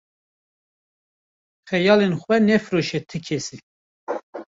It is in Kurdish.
Xeyalên xwe nefiroşe ti kesî.